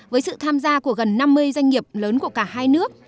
với sự tham gia của gần năm mươi doanh nghiệp lớn của cả hai nước